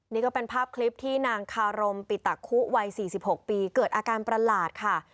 นี่ก็เป็นภาพคลิปที่นางคารมปิตะคุวัย๔๖ปีเกิดอาการประหลาดค่ะ